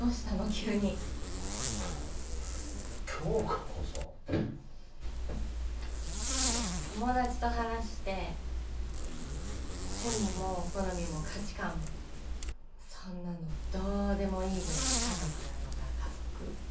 急に杏花こそ友達と話して趣味も好みも価値観もそんなのどうでもいいぐらい家族なのが家族？